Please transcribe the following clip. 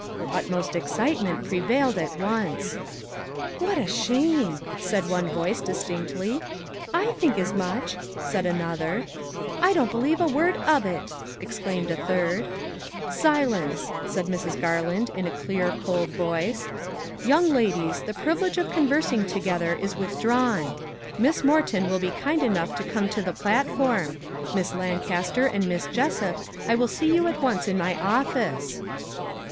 Utmost excitement prevailed at once. " What a shame !" said one voice, distinctly. " I think as much !" said another. " I don't believe a word of it !" exclaimed a third. " Silence !" said Mrs. Garland, in a clear, cold voice. " Young ladies, the privilege of conversing together is withdrawn. Miss More ton will be kind enough to come to the plat form. Miss Lancaster and Miss Jessup, I will see you at once in my office."